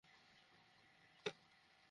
Sher Shah for Chanakya.